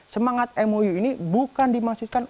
semangat mou ini bukan dimaksudkan